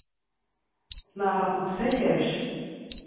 Neɛreq deg usakac.